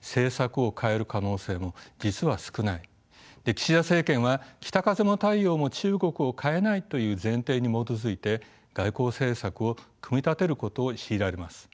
岸田政権は北風も太陽も中国を変えないという前提に基づいて外交政策を組み立てることを強いられます。